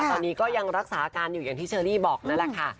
ตอนนี้ก็ยังรักษาอาการอยู่อย่างที่เชอรี่บอกนั่นแหละค่ะ